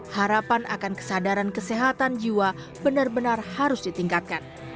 harapan akan kesadaran kesehatan jiwa benar benar harus ditingkatkan